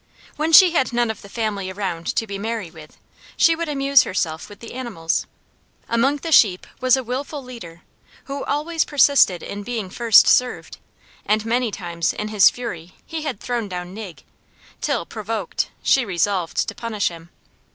When she had none of the family around to be merry with, she would amuse herself with the animals. Among the sheep was a willful leader, who always persisted in being first served, and many times in his fury he had thrown down Nig, till, provoked, she resolved to punish him.